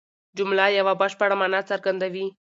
جمله یوه بشپړه مانا څرګندوي.